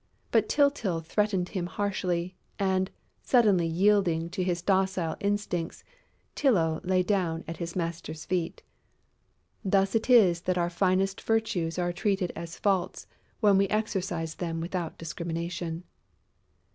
But Tyltyl threatened him harshly; and, suddenly yielding to his docile instincts, Tylô lay down at his master's feet. Thus it is that our finest virtues are treated as faults, when we exercise them without discrimination.